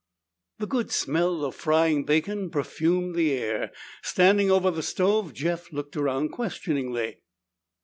The good smell of frying bacon perfumed the air. Standing over the stove, Jeff looked around questioningly.